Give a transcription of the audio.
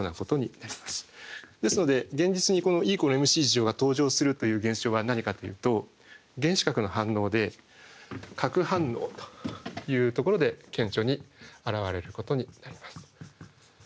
ですので現実にＥ＝ｍｃが登場するという現象は何かというと原子核の反応で核反応というところで顕著に現れることになります。